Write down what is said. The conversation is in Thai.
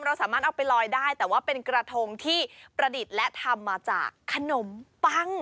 เราสามารถเอาไปลอยได้แต่ว่าเป็นกระทงที่ประดิษฐ์และทำมาจากขนมปัง